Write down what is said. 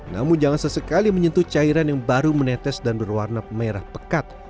namun jangan sesekali menyentuh cairan yang baru menetes dan berwarna merah pekat